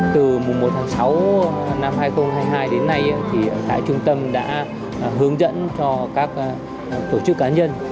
từ mùng một tháng sáu năm hai nghìn hai mươi hai đến nay tại trung tâm đã hướng dẫn cho các tổ chức cá nhân